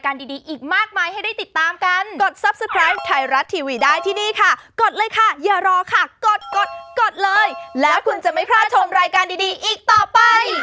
จริงไม่ใช่เรื่องใหญ่เพราะว่าจริงถ้าคนรู้ขั้นตอนหรือว่าอะไรก็จะเข้าใจไปเองครับ